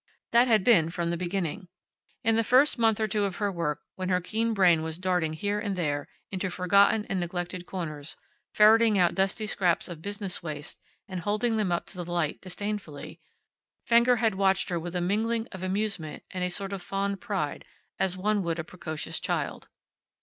That had been from the beginning. In the first month or two of her work, when her keen brain was darting here and there, into forgotten and neglected corners, ferreting out dusty scraps of business waste and holding them up to the light, disdainfully, Fenger had watched her with a mingling of amusement and a sort of fond pride, as one would a precocious child.